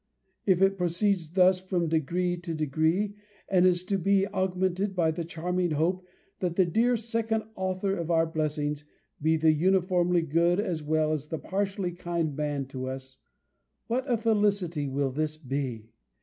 If it proceeds thus from degree to degree, and is to be augmented by the charming hope, that the dear second author of our blessings, be the uniformly good as well as the partially kind man to us, what a felicity will this be!